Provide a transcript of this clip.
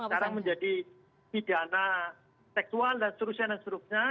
sekarang menjadi pidana seksual dan seterusnya dan seterusnya